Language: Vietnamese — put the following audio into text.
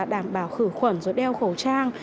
đảm bảo khử khuẩn rồi đeo khẩu trang